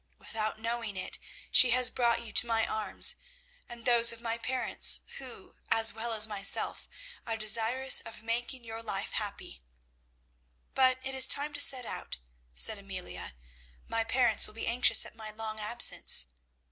Without knowing it she has brought you to my arms and those of my parents, who, as well as myself, are desirous of making your life happy. "But it is now time to set out," said Amelia. "My parents will be anxious at my long absence.